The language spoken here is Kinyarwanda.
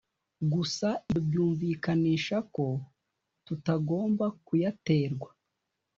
gusa ibyo byumvikanisha ko tutagomba kuyaterwa